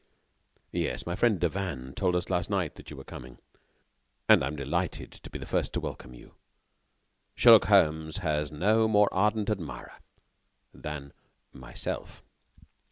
"Yes, my friend Devanne told us last night that you were coming, and I am delighted to be the first to welcome you. Sherlock Holmes has no more ardent admirer than.... myself."